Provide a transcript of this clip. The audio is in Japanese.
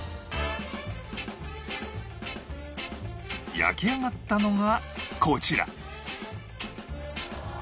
焼き上がったのがこちら